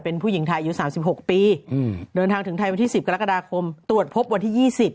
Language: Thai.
เป็นผู้หญิงไทยอายุ๓๖ปีเดินทางถึงไทยวันที่๑๐กรกฎาคมตรวจพบวันที่๒๐